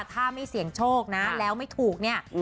ถ้าไม่เสี่ยงโชคนะแล้วไม่ถูกเนี่ย